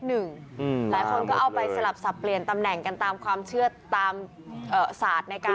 หลายคนก็เอาไปสลับสับเปลี่ยนตำแหน่งกันตามความเชื่อตามศาสตร์